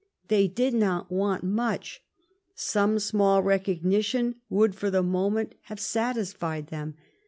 They did not want much. Some small recognition would for the moment have satisfied them.